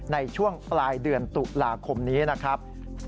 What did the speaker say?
ในช่วงปลายเดือนตุลาคมนี้นะครับ